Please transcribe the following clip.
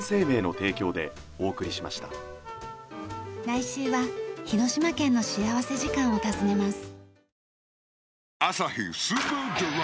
来週は広島県の幸福時間を訪ねます。